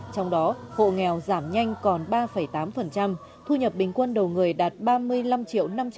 trong đó hộ nghèo giảm nhanh còn ba tám thu nhập bình quân đầu người đạt ba mươi năm triệu